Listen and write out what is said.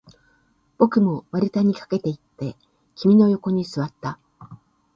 僕も丸太に駆けていって、君の横に座った